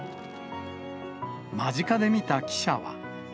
間近で見た記者は。